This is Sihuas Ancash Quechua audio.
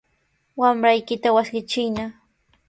Wamraykita wasqichiyna.